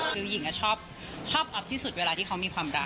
หรือหญิงชอบอัพที่สุดเวลาเกินไปความรัก